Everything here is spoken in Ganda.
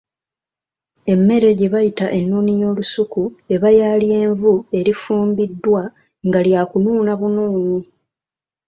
Emmere gye bayita ennuuni y’olusuku eba ya lyenvu erifumbiddwa nga lyakunuuna bunnunyi.